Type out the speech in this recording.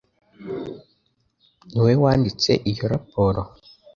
Niwowe wanditse iyo raporo?